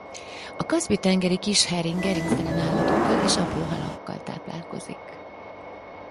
A kaszpi-tengeri kis hering gerinctelen állatokkal és apró halakkal táplálkozik.